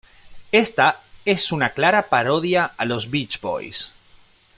Esta es una clara parodia a los Beach Boys.